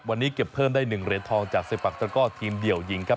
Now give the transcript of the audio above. วันนี้เก็บเพิ่มได้๑เหรียญทองจากเซปักตระก้อทีมเดี่ยวหญิงครับ